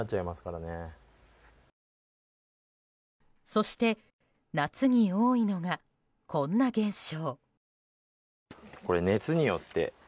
そして夏に多いのがこんな現象。